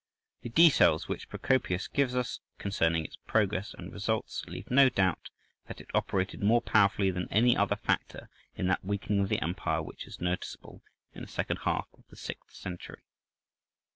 The details which Procopius gives us concerning its progress and results leave no doubt that it operated more powerfully than any other factor in that weakening of the empire which is noticeable in the second half of the sixth century.